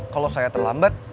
kalo saya terlambat